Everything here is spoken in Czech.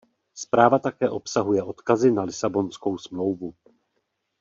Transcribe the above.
Zpráva také obsahuje odkazy na Lisabonskou smlouvu.